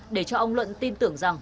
để cho ông luận tin tưởng rằng